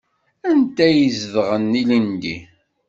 Anda ay zedɣen ilindi?